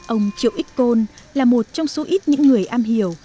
ông triệu ích côn là một trong số ít những người am hiểu